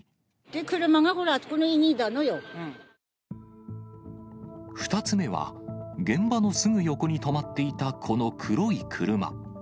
車がほら、２つ目は、現場のすぐ横に止まっていたこの黒い車。